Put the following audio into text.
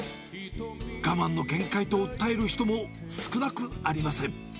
我慢の限界と訴える人も少なくありません。